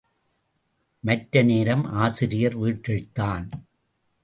மற்ற நேரம் ஆசிரியர் வீட்டில்தான்.